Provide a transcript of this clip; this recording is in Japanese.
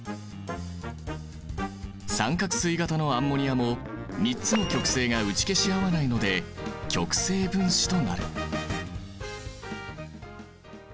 三角錐形のアンモニアも３つの極性が打ち消し合わないので極性分子となる。